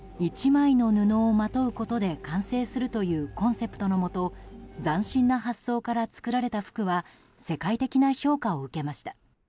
１枚の布をまとうことで完成するというコンセプトのもと斬新な発想から作られた服は世界的な評価を受けました。